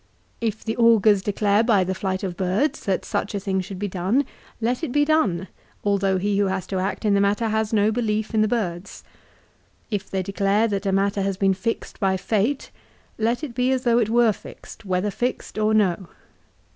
If the augurs declare by the flight of birds that such a thing should be done, let it be done, although he who has to act in the matter has no belief in the birds. If they declare that a matter has been fixed by fate, let it be as though it were fixed, whether fixed or no.